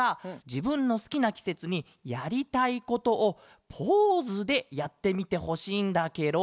じぶんのすきなきせつにやりたいことをポーズでやってみてほしいんだケロ。